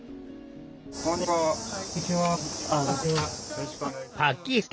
よろしくお願いします。